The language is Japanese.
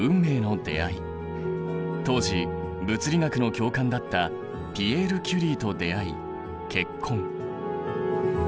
当時物理学の教官だったピエール・キュリーと出会い結婚。